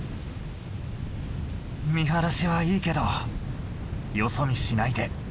見晴らしはいいけどよそ見しないで集中集中！